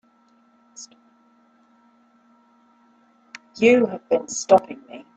You have been stopping me.